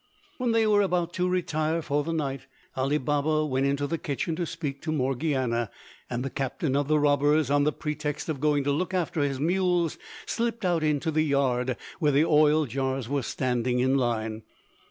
When they were about to retire for the night, Ali Baba went into the kitchen to speak to Morgiana; and the captain of the robbers, on the pretext of going to look after his mules, slipped out into the yard where the oil jars were standing in line.